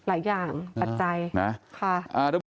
หลายอย่างปัจจัยนะ